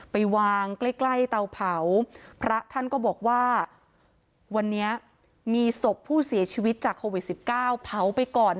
ไปวางใกล้ใกล้เตาเผาพระท่านก็บอกว่าวันนี้มีศพผู้เสียชีวิตจากโควิด๑๙เผาไปก่อน